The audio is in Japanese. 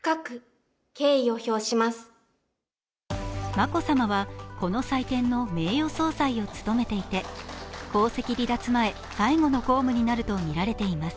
眞子さまはこの祭典の名誉総裁を務めていて皇籍離脱前、最後の公務になるとみられています。